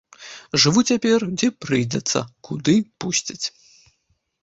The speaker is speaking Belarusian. Жыву цяпер, дзе прыйдзецца, куды пусцяць.